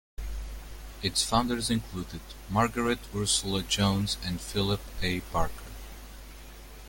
Its founders included Margaret Ursula Jones and Phillip A. Barker.